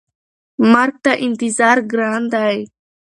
مرګ ته انتظار ګران دی.